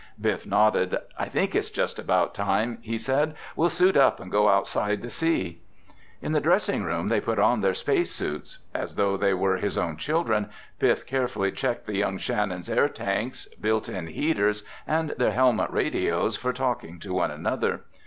Biff nodded. "I think it's just about time," he said. "We'll suit up and go outside to see." In the dressing room they put on their space suits. As though they were his own children, Biff carefully checked the young Shannons' air tanks, built in heaters, and their helmet radios for talking to one another.